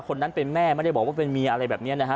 คนนั้นเป็นแม่ไม่ได้บอกว่าเป็นเมียอะไรแบบนี้นะฮะ